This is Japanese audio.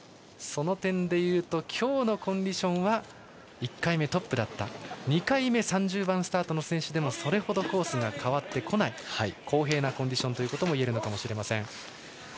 その点で言うと今日のコンディションは１回目トップだった２回目３０番スタートの選手でもそれほどコースが変わってこない公平なコンディションだと言えるのかもしれません。